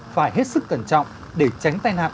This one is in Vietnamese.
phải hết sức cẩn trọng để tránh tai nạn